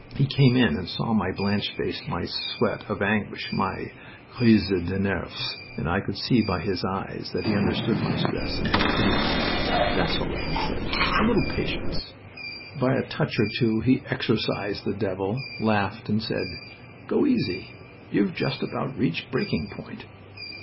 He came in and saw my blanched face, my sweat of anguish, my crise de nerfs. I could see by his eyes that he understood my stress and had pity on me. "That's all right," he said. "A little patience " By a touch or two he exorcised the devil, laughed, and said: "Go easy. You've just about reached breaking point."